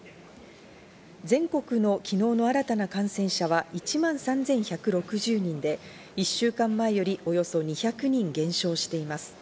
全国の昨日の新たな感染者が１万３１６０人で１週間前よりおよそ２００人減少しています。